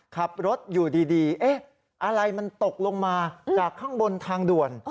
ขับรถอยู่ดีเอ๊ะอะไรมันตกลงมาจากข้างบนทางด่วน